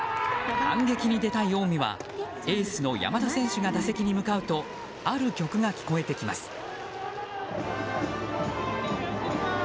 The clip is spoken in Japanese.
反撃に出たい近江はエースの山田選手が打席に向かうとある曲が聞こえてきます。